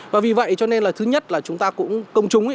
và vì vậy cho nên là thứ nhất là chúng ta cũng công chúng ấy